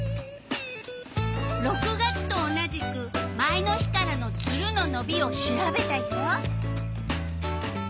６月と同じく前の日からのツルののびを調べたよ。